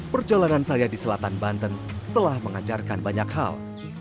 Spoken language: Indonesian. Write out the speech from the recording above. perjalanan saya di selatan banten telah mengajarkan banyak hal